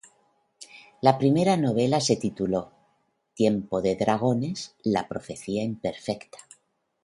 La primera novela se tituló "Tiempo de dragones: La profecía imperfecta".